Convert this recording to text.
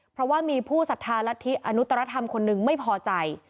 เพราะว่ามีผู้สัทธารัฐอนุตรธรรมคนหนึ่งไม่พอใจ